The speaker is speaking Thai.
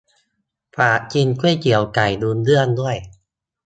ฝากกินก๋วยเตี๋ยวไก่ลุงเลื่อนด้วย